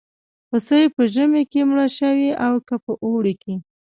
هوسۍ په ژمي کې مړه شوې او که په اوړي کې.